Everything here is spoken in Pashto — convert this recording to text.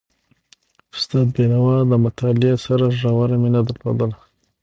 استاد بينوا د مطالعې سره ژوره مینه درلودله.